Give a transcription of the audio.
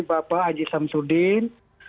bapak aziz sam sudin